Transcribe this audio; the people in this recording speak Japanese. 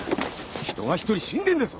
人が１人死んでんだぞ！